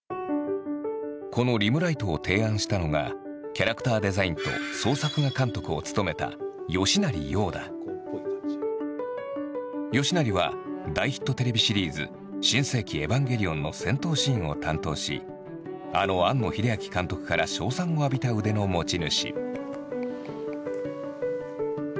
このリムライトを提案したのが吉成は大ヒットテレビシリーズ「新世紀エヴァンゲリオン」の戦闘シーンを担当しあの庵野秀明監督から称賛を浴びた腕の持ち主。